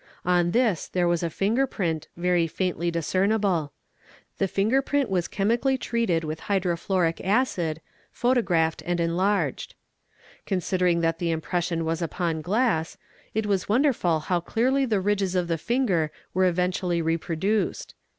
On this there was a finger print, very E faintly discernible. The finger print was chemically treated, photogra phed, and enlarged. Considering that the impression was upon glass, it was wonderful how clearly the ridges of the finger were eventually repro duced.